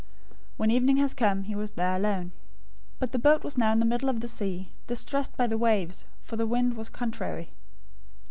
When evening had come, he was there alone. 014:024 But the boat was now in the middle of the sea, distressed by the waves, for the wind was contrary.